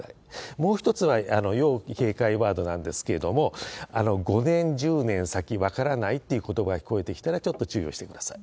もう一つは、要警戒ワードなんですけれども、５年、１０年先分からないっていうことが聞こえてきたら、ちょっと注意をしてください。